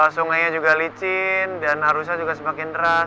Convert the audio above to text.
sungainya juga licin dan arusnya juga semakin deras